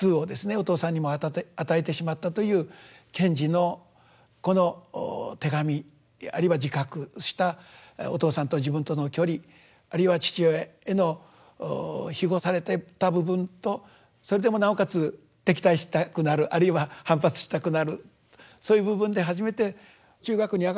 お父さんにも与えてしまったという賢治のこの手紙あるいは自覚したお父さんと自分との距離あるいは父親への庇護されていた部分とそれでもなおかつ敵対したくなるあるいは反発したくなるそういう部分で初めて中学に上がる時